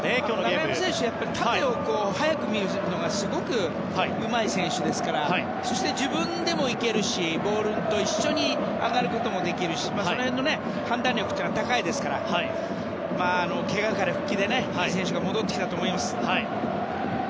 中山選手は縦を早く見るのがすごくうまい選手ですから自分でも行けるしボールと一緒に上がることもできるしその辺の判断力は高いですからいい選手が戻ってきたと思います。